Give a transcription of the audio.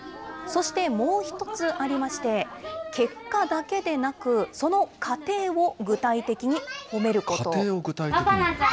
そして、もう１つありまして、結果だけでなく、過程を具体的に？